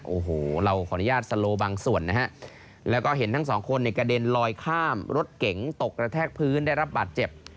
โอ้โหเราขออนุญาตสโลบางส่วนนะฮะแล้วก็เห็นทั้งสองคนเนี่ยกระเด็นลอยข้ามรถเก๋งตกกระแทกพื้นได้รับบาดเจ็บ